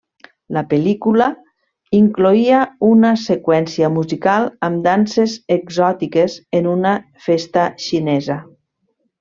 La pel·lícula incloïa una seqüència musical amb danses exòtiques en una festa xinesa.